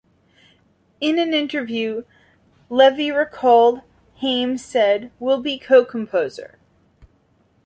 In an interview, Levy recalled Haim said, 'We'll be co-composer.